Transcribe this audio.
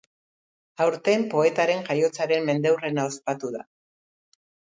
Aurten, poetaren jaiotzaren mendeurrena ospatu da.